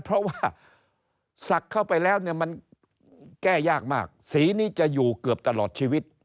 เพราะว่าศักดิ์เข้าไปแล้วเนี่ยมันแก้ยากมากสีนี้จะอยู่เกือบตลอดชีวิต